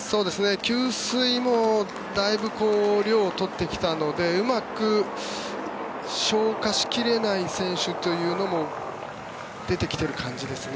給水もだいぶ量を取ってきたのでうまく消化しきれない選手というのも出てきている感じですね。